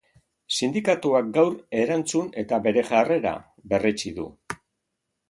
Sindikatuak gaur erantzun eta bere jarrera berretsi du.